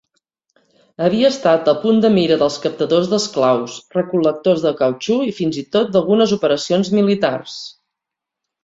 Havia estat el punt de mira dels captadors d'esclaus, recol·lectors de cautxú i fins i tot d'algunes operacions militars.